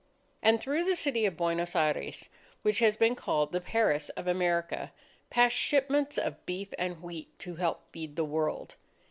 And through the city of Buenos Aires, which has been called the "Paris of America," pass shipments of beef and wheat to help feed the world.